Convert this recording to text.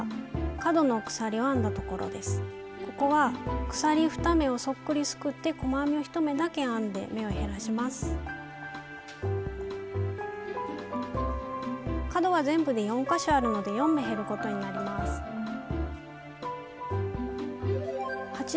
角は全部で４か所あるので４目減ることになります。